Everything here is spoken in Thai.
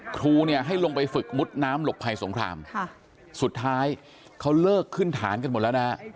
ครูเนี่ยให้ลงไปฝึกมุดน้ำหลบภัยสงครามสุดท้ายเขาเลิกขึ้นฐานกันหมดแล้วนะฮะ